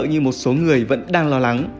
như một số người vẫn đang lo lắng